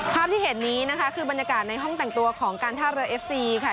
ภาพที่เห็นนี้นะคะคือบรรยากาศในห้องแต่งตัวของการท่าเรือเอฟซีค่ะ